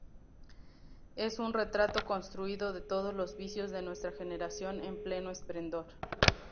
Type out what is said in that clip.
Es un retrato construido de todos los vicios de nuestra generación en pleno esplendor.